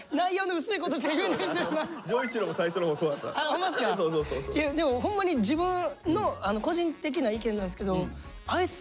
名前とかいろんなでもホンマに自分の個人的な意見なんすけど。